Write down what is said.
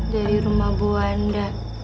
dari rumah bu wanda